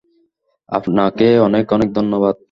আপনাকে অনেক অনেক ধন্যবাদ।